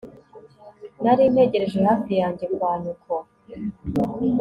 Nari ntegereje hafi yanjye kwa nyoko